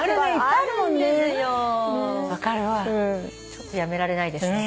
ちょっとやめられないですね。